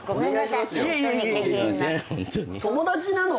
友達なの？